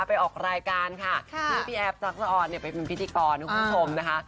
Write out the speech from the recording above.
ไปออกรายการค่ะที่พี่แอฟทักษะออนเนี่ยไปเป็นพิธีกรคุณผู้ชมนะคะ